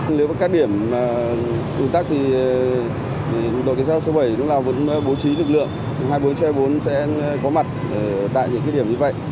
nếu các điểm ủn tắc thì đội chiến sát số bảy vẫn bố trí lực lượng hai trăm bốn mươi bốn sẽ có mặt tại những điểm như vậy